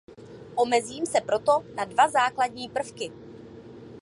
Omezím se proto na dva základní prvky.